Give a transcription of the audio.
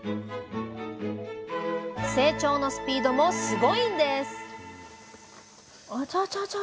成長のスピードもすごいんです